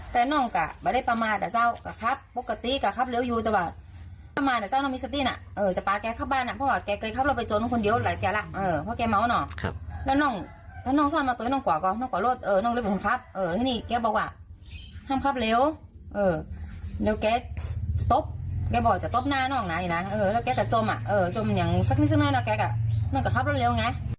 เธอก็ยอมรับว่าเธอขับรถเร็ว